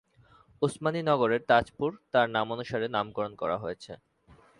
ওসমানী নগরের তাজপুর তার নামানুসারে নামকরণ করা হয়েছে।